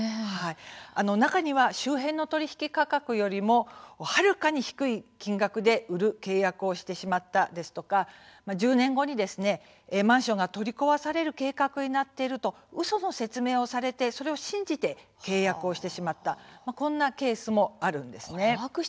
中には周辺の取引価格よりはるかに低い金額で売る契約をしてしまったですとか１０年後にマンションが取り壊される計画になっているとうその説明をされてそれを信じて契約をしてしまったこんなケースもあるんです。